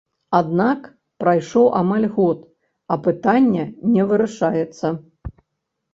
Аднак прайшоў амаль год, а пытанне не вырашаецца.